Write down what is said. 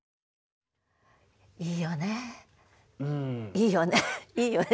いいよねいいよね。